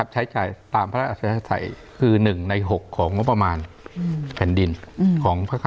ใช้จ่ายตามพระอาจารยาใสคือ๑ใน๖ของประมาณแผ่นดิน